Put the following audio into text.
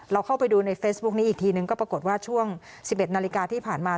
เข้าไปดูในเฟซบุ๊คนี้อีกทีนึงก็ปรากฏว่าช่วง๑๑นาฬิกาที่ผ่านมา